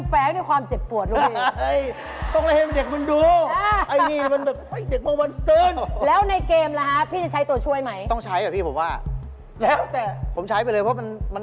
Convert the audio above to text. หละก็ไปกันว่าที่ศตรรย์ของทุกร่าวของพี่ป๋องค่ะ